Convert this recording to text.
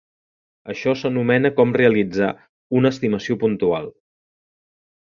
Això s'anomena com realitzar una estimació puntual.